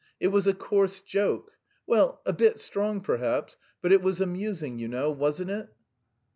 It was a coarse joke well, a bit strong, perhaps; but it was amusing, you know, wasn't it?"